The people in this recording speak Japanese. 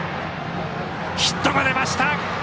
ヒットが出ました。